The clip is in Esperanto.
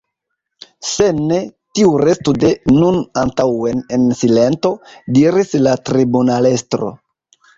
Se ne, tiu restu de nun antaŭen en silento, diris la tribunalestro.